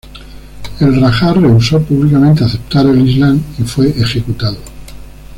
El raja rehusó públicamente aceptar el islam y fue ejecutado.